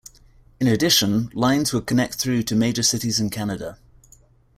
In addition, lines would connect through to major cities in Canada.